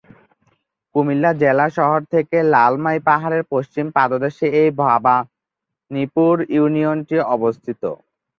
কুমিল্লা জেলা শহর থেকে লালমাই পাহাড়ের পশ্চিম পাদদেশে এই ভবানীপুর ইউনিয়নটি অবস্থিত।